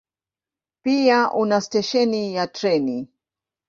Pia una stesheni ya treni.